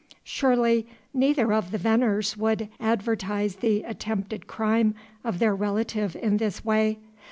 Surely neither of the Venners would advertise the attempted crime of their relative in this way.